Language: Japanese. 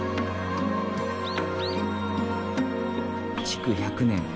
築１００年。